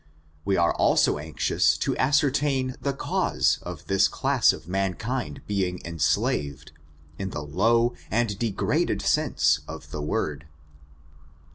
We are also anxious to ascertain the cause • of this class of mankind being enslaved, in the low and degraded sense of the word.